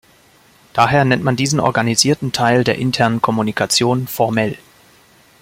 Daher nennt man diesen organisierten Teil der internen Kommunikation "formell.